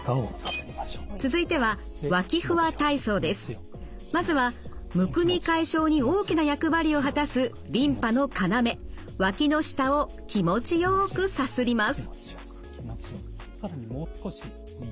続いてはまずはむくみ解消に大きな役割を果たすリンパの要脇の下を気持ちよくさすります。